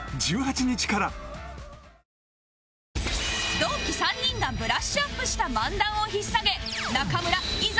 同期３人がブラッシュアップした漫談を引っ提げ中村いざ